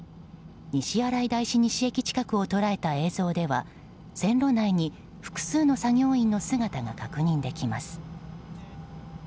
西新井大師西駅近くを捉えた映像では線路内に複数の作業員の姿が確認できます。